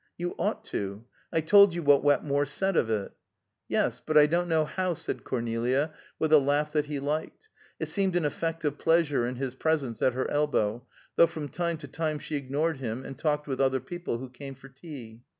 "You ought to. I told you what Wetmore said of it." "Yes; but I don't know how," said Cornelia, with a laugh that he liked; it seemed an effect of pleasure in his presence at her elbow; though from time to time she ignored him, and talked with other people who came for tea.